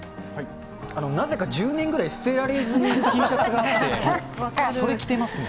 なぜか１０年ぐらい捨てられずにいるＴシャツがあって、それ着てますね。